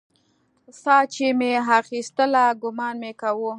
ساه چې مې اخيستله ګومان مې کاوه.